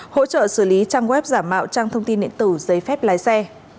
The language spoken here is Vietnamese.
hỗ trợ xử lý trang web giả mạo trang thông tin điện tử giấy phép lái xe